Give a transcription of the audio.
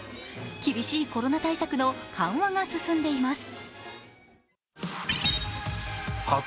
厳しいコロナ対策の緩和が進んでいます。